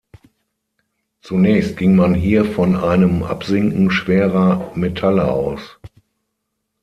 Zunächst ging man hier von einem Absinken schwerer Metalle aus.